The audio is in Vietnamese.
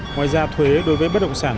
ngoài ra thuế đối với bất động sản